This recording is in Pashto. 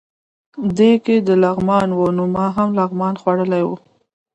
دی که د لغمان و، نو ما هم لغمان خوړلی و.